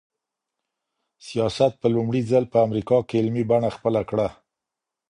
سیاست په لومړي ځل په امریکا کي علمي بڼه خپله کړه.